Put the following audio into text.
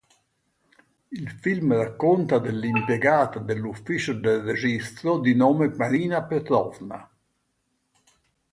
Il film racconta dell'impiegata dell'ufficio del registro di nome Marina Petrovna.